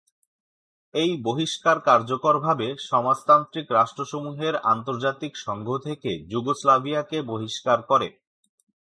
এই বহিষ্কার কার্যকরভাবে সমাজতান্ত্রিক রাষ্ট্রসমূহের আন্তর্জাতিক সংঘ থেকে যুগোস্লাভিয়াকে বহিষ্কার করে।